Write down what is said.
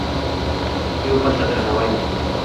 یو بل ته درناوی وکړو.